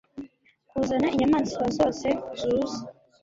kuzana inyamaswa zose zuza